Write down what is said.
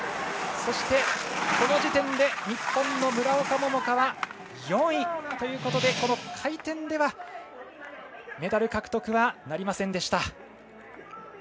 そして、この時点で日本の村岡桃佳は４位ということで回転ではメダル獲得はなりませんでした。